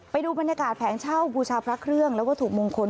ไปดูบรรยากาศแผงเช่าบูชาพระเครื่องและวัตถุมงคล